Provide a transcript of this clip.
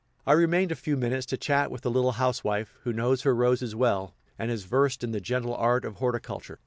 I remained a few minutes to chat with the little housewife, who knows her roses well, and is versed in the gentle art of horticulture.